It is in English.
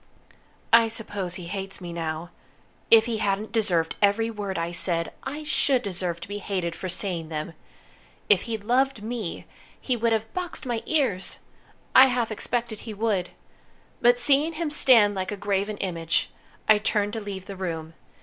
I suppose he hates me now. If he hadn't deserved every word I said, I should deserve to be hated for saying them. If he'd loved me, he would have boxed my ears! I half expected he would. But seeing him stand like a graven image, I turned to leave the room.